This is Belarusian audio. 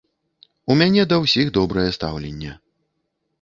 У мяне да ўсіх добрае стаўленне.